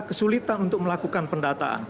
kesulitan untuk melakukan pendataan